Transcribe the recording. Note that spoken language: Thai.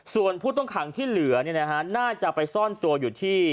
ส่วนผู้ต้องขังที่เหลือน่าจะไปซ่อนตัวอยู่ที่